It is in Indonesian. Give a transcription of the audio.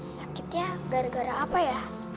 sakitnya gara gara apa ya